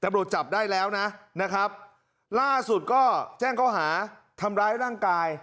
ตำรวจจับได้แล้วนะนะครับล่าสุดก็แจ้งเขาหาทำร้ายร่างกาย